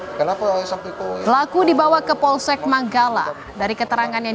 eh ya dari belakang oh kenapa sampai kau laku dibawa ke polsek manggala dari keterangan yang